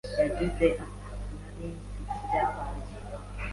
Yagize ati Sinarinzi ibyabaye,